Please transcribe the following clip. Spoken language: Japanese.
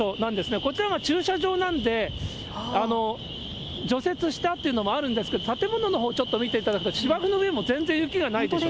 こちら、駐車場なんで、除雪したっていうのもあるんですけど、建物のほう、ちょっと見ていただくと、芝生の上も全然雪がないでしょ。